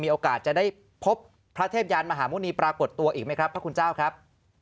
โอกาสจะได้พบพระเทพยานมหาหมุณีปรากฏตัวอีกไหมครับพระคุณเจ้าครับ